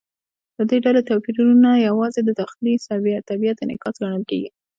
د دې ډلې توپیرونه یوازې د داخلي طبیعت انعکاس ګڼل کېږي.